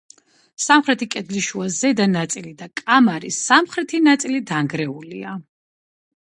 სამხრეთი კედლის ზედა შუა ნაწილი და კამარის სამხრეთი ნაწილი დანგრეულია.